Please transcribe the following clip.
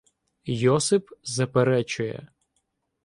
Йосип заперечує.